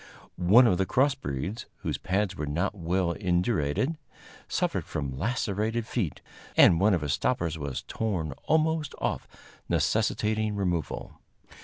One of the cross breeds, whose pads were not well indurated, suffered from lacerated feet, and one of his stoppers was torn almost off, necessitating removal.